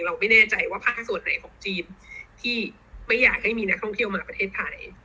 เราไม่แน่ใจว่าภาคส่วนไหนของจีนที่ไม่อยากให้มีนักท่องเที่ยวมาประเทศไทย